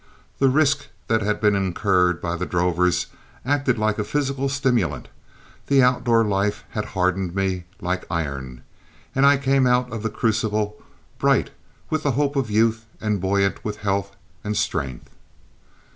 The risk that had been incurred by the drovers acted like a physical stimulant, the outdoor life had hardened me like iron, and I came out of the crucible bright with the hope of youth and buoyant with health and strength.